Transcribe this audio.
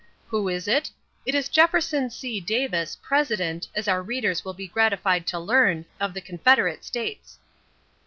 Who is it? It is Jefferson C. Davis, President, as our readers will be gratified to learn, of the Confederate States.